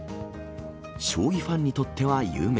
将棋ファンにとっては有名、